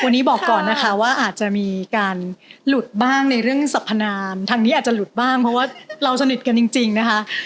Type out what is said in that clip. วันนี้บอกก่อนนะคะว่าอาจจะมีการหลุดบ้างในเรื่องสรรพนามทางนี้อาจจะหลุดบ้างเพราะว่าเราสนิทกันจริงนะคะ